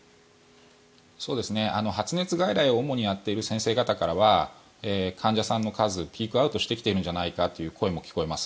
発熱外来を主にやっている先生方からは患者さんの数はピークアウトしてきてるんじゃないかという声も聞こえます。